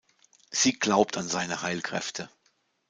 Sie glaubt an seine Heilkräfte.